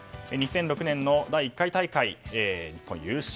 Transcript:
２００６年の第１回大会日本、優勝。